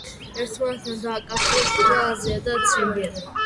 ერთმანეთთან დააკავშირა შუა აზია და ციმბირი.